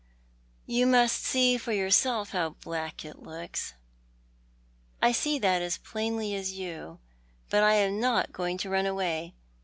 You must see for your self how black it looks." "I see that as plainly as you, but I am not going to run away."